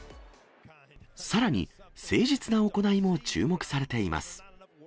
さらに、誠実な行いも注目されています。